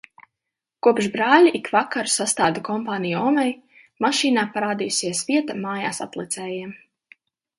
Kopš brāļi ik vakaru sastāda kompāniju omei, mašīnā parādījusies vieta mājāsatlicējiem.